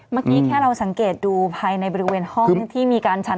เมื่อกี้แค่เราสังเกตดูภายในบริเวณห้องที่มีการชัน